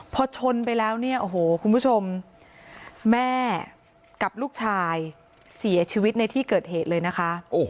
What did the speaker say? พอชนไปแล้วเนี่ยโอ้โหคุณผู้ชมแม่กับลูกชายเสียชีวิตในที่เกิดเหตุเลยนะคะ